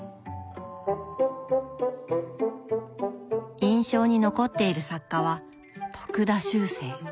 印象に残っている作家は徳田秋声。